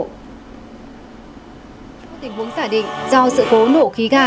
tình huống giả định do sự cố nổ khí ga